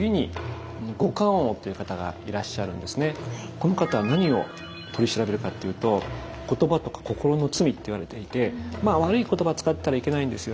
この方は何を取り調べるかっていうと言葉とか心の罪といわれていてまあ悪い言葉使ったらいけないんですよね。